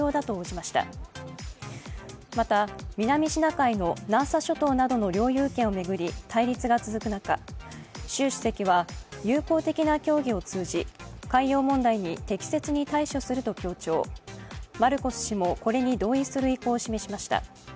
また、南シナ海の南沙諸島などの領有権を巡り対立が続く中、習主席は、友好的な協議を通じ、海洋問題に適切に対処すると強調マルコス氏もこれに同意する意向を示しました。